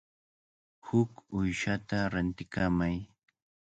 Huk uyshata rantikamay.